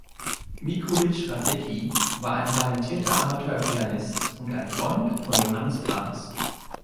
Mikulicz-Radecki war ein talentierter Amateurpianist und ein Freund von Johannes Brahms.